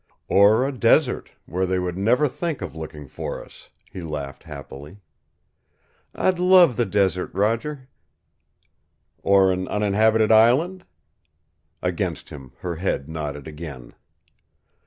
"Or a desert, where they would never think of looking for us," he laughed happily. "I'd love the desert, Roger." "Or an uninhabited island?" Against him her head nodded again.